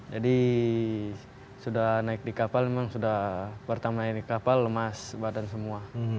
jadi sudah naik di kapal memang sudah pertama naik di kapal lemas badan semua